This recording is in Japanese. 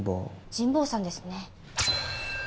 神保さんですね。